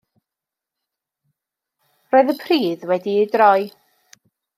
Roedd y pridd wedi'i droi.